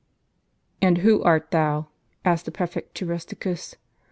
And who art thou ?" said the prefect to Rusticus.